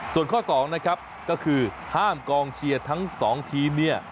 ส่วนข้อ๒นะครับก็คือห้ามกองเชียร์ทั้ง๒ทีมเนี่ย